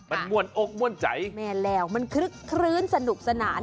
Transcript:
มันม่วนอกม่วนใจแม่แล้วมันคลึกคลื้นสนุกสนาน